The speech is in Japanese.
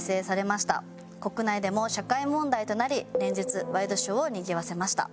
国内でも社会問題となり連日ワイドショーをにぎわせました。